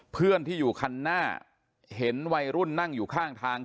เพื่อนที่อยู่คันหน้าเห็นวัยรุ่นนั่งอยู่ข้างทาง